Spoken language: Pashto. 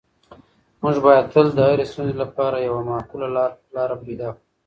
موږ باید تل د هرې ستونزې لپاره یوه معقوله لاره پیدا کړو.